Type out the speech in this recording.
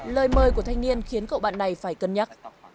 lời mời của thanh niên khiến cậu bạn này phải cân nhắc